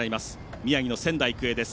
宮城の仙台育英です。